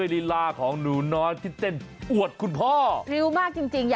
หลักหน่อยหลักหน่อย